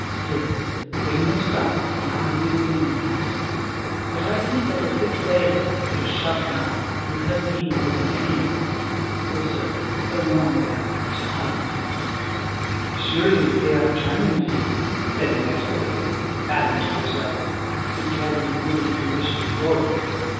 Still, bring your stuffs and I will do my best; but I think that a thick veil and a shut mouth will help me more than any of them, also a long gown to hide my feet." "Surely they are charming feet," said Inez politely, adding to herself, "to carry you whither you wish to go."